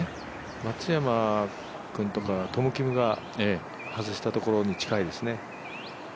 松山君とかトム・キムが外したところに近いですね。